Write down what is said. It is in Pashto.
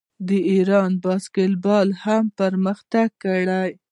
د ایران باسکیټبال هم پرمختګ کړی.